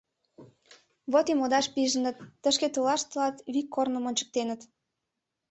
Вот и модаш пижыныт, тышке толаш тылат вик корным ончыктеныт...